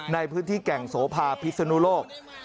ในพื้นที่แก่งโสภาพิศนุโลก